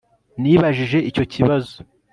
nibajije icyo kibazo